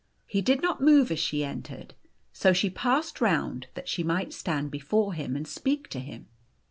He did not move as she entered, so she passed round that she might stand before him and speak to him.